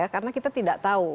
karena kita tidak tahu